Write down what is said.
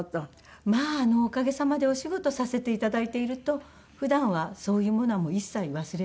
まあおかげさまでお仕事させて頂いていると普段はそういうものは一切忘れているので。